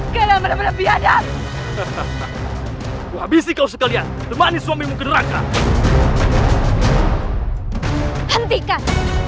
kemana mana biadab habisi kau sekalian temani suamimu ke neraka hentikan